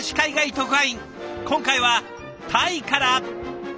今回はタイから。